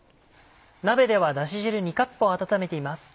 鍋ではだし汁２カップを温めています。